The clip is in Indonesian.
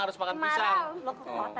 kemarang lo kekuatan apa lo